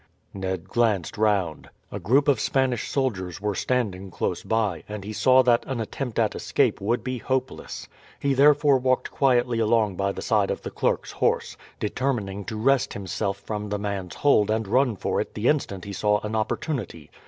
Ned glanced round; a group of Spanish soldiers were standing close by, and he saw that an attempt at escape would be hopeless. He therefore walked quietly along by the side of the clerk's horse, determining to wrest himself from the man's hold and run for it the instant he saw an opportunity.